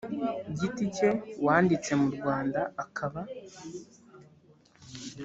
giti cye wanditse mu rwanda akaba